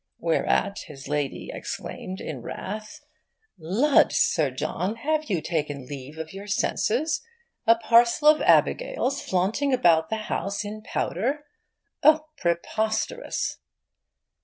Whereat his Lady exclaimed in wrath, 'Lud, Sir John! Have you taken leave of your senses? A parcel of Abigails flaunting about the house in powder oh, preposterous!